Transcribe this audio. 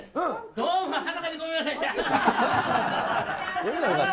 どうも裸でごめんなさい。